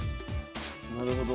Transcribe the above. なるほど。